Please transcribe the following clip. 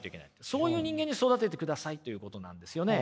そういう人間に育ててくださいということなんですよね。